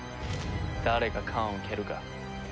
誰が缶を蹴るか。